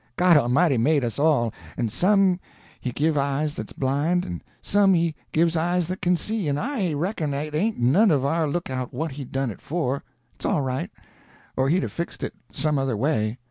God Almighty made us all, and some He gives eyes that's blind, and some He gives eyes that can see, and I reckon it ain't none of our lookout what He done it for; it's all right, or He'd 'a' fixed it some other way.